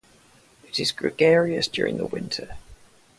It is gregarious during the winter.